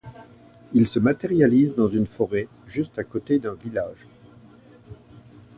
Ils se matérialisent dans une forêt juste à côté d'un village.